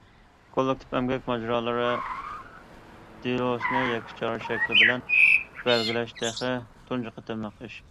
كوللېكتىپ ئەمگەك ماجىرالىرى دېلوسىنى يەككە چارە شەكلى بىلەن بەلگىلەش تېخى تۇنجى قېتىملىق ئىش.